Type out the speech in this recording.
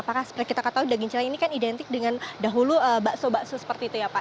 apakah seperti kita katakan daging celeng ini kan identik dengan dahulu bakso bakso seperti itu ya pak